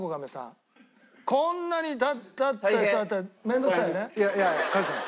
こんなに立ったり座ったり面倒くさいよね？